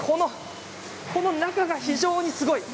この中が非常にすごい。